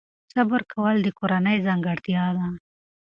صبر کول د کورنۍ ځانګړتیا ده.